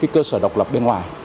cơ sở độc lập bên ngoài